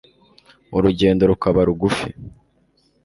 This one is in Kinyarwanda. urugendo rukaba rugufi